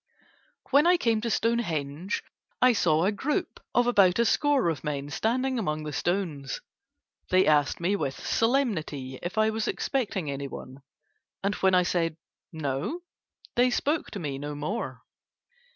When I came to Stonehenge I saw a group of about a score of men standing among the stones. They asked me with some solemnity if I was expecting anyone, and when I said No they spoke to me no more.